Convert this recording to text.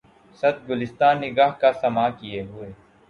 صد گلستاں نِگاه کا ساماں کئے ہوے